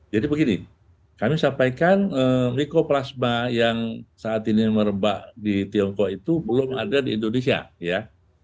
jadi begini kami sampaikan ricoplasma yang saat ini merebak di tiongkok itu belum ada di indonesia ya